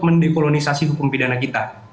mendekolonisasi hukum pidana kita